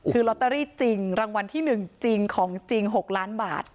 คือลอตเตอรี่จริงรางวัลที่๑จริงของจริง๖ล้านบาท